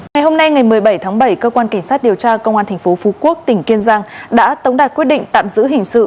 ngày hôm nay ngày một mươi bảy tháng bảy cơ quan cảnh sát điều tra công an tp phú quốc tỉnh kiên giang đã tống đạt quyết định tạm giữ hình sự